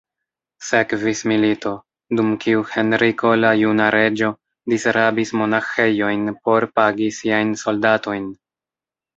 Sekvis milito, dum kiu Henriko la Juna Reĝo disrabis monaĥejojn por pagi siajn soldatojn.